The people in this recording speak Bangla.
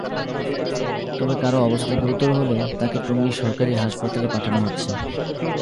তবে কারও অবস্থা গুরুতর হলে তাঁকে টঙ্গী সরকারি হাসপাতালে পাঠানো হচ্ছে।